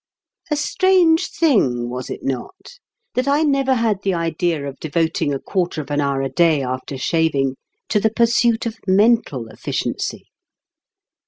A strange thing was it not? that I never had the idea of devoting a quarter of an hour a day after shaving to the pursuit of mental efficiency.